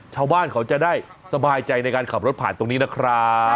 ชาวบ้านเขาจะได้สบายใจในการขับรถผ่านตรงนี้นะครับ